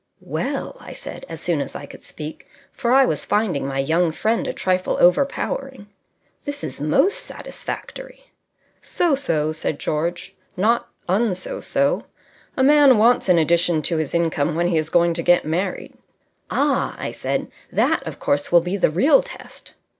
"Well," I said, as soon as I could speak, for I was finding my young friend a trifle overpowering, "this is most satisfactory." "So so," said George. "Not un so so. A man wants an addition to his income when he is going to get married." "Ah!" I said. "That, of course, will be the real test."